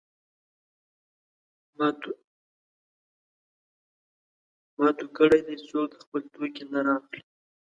ما تو کړی دی؛ څوک خپل توکی نه رااخلي.